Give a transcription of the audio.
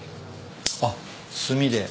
あっ炭で。